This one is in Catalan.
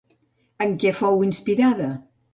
En què fou inspirada?